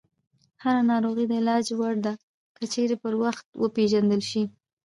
هره ناروغي د علاج وړ ده، که چیرې پر وخت وپېژندل شي.